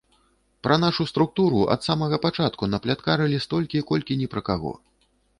Пра нашу структуру ад самага пачатку напляткарылі столькі, колькі ні пра каго.